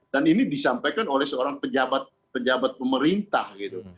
dan ini disampaikan oleh seorang pejabat pemerintah gitu